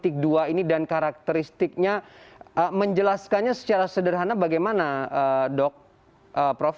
ini dan karakteristiknya menjelaskannya secara sederhana bagaimana dok prof